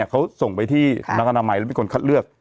เขาส่งไปที่สำนักอนามัยแล้วเป็นคนคัดเลือก